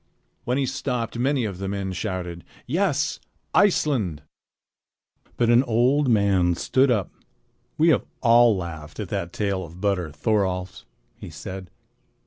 When he stopped, many of the men shouted: "Yes! Iceland!" But an old man stood up. "We have all laughed at that tale of Butter Thorolf's," he said.